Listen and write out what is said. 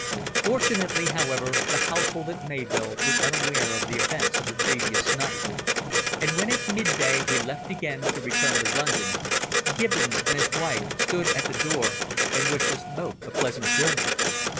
Fortunately, however, the household at Mayvill was unaware of the events of the previous night, and when at midday we left again to return to London, Gibbons and his wife stood at the door and wished us both a pleasant journey.